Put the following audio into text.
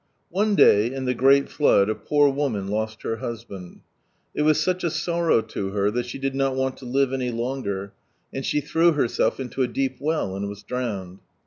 One day, in (he great flood, a poor woman lost her husband. It was sucb a torrow to her that *he did not want to live any longer, and &he threw benelf into a . deep well, and was drowned.